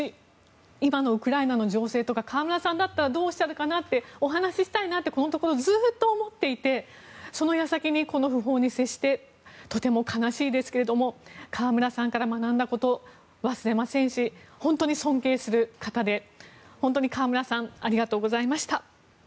今のウクライナの情勢とか川村さんだったらどうおっしゃるかなってお話ししたいなってこのところずっと思っていてその矢先にこの訃報に接してとても悲しいですけれども川村さんから学んだこと忘れませんし本当に尊敬する方で本当に川村さんありがとうございました。